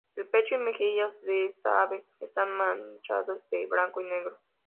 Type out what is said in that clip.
El pecho y mejillas de esta ave están manchados de blanco y negro.